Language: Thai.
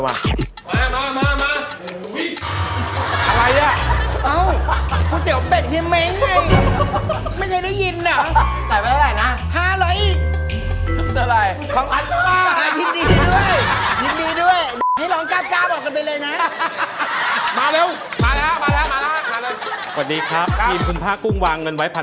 ให้ลองกาบออกกันไปเลยนะ